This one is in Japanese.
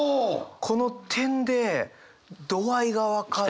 この点で度合いが分かる。